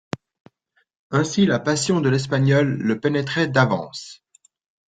Ainsi la passion de l'espagnole le pénétrait d'avance.